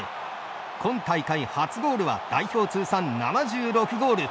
今大会初ゴールは代表通算７６ゴール。